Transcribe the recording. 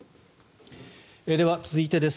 では、続いてです。